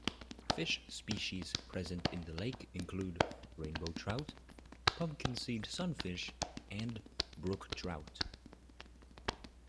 Fish species present in the lake include rainbow trout, pumpkinseed sunfish, and brook trout.